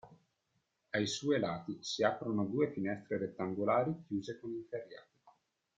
Ai sue lati, si aprono due finestre rettangolari chiuse con inferriate.